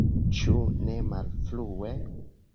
Ĉu ne malfrue?